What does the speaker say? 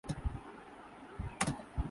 اطراف سے وافر دلائل مو جود ہیں۔